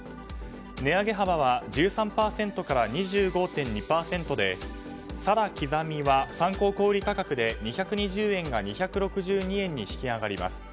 値上げ幅は１３％から２５．２％でサラきざみは参考小売価格で２２０円が２６２円に引き上がります。